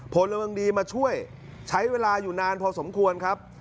พลเมืองดีมาช่วยใช้เวลาอยู่นานพอสมควรครับ